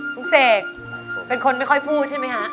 คุณเสกเป็นคนไม่ค่อยพูดใช่ไหมคะ